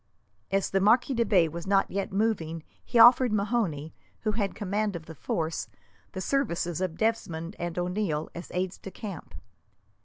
As the Marquis de Bay was not yet moving he offered O'Mahony, who had the command of the force, the services of Desmond and O'Neil as aides de camp.